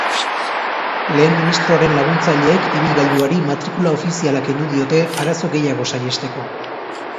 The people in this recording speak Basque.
Lehen ministroaren laguntzaileek ibilgailuari matrikula ofiziala kendu diote arazo gehiago saihesteko.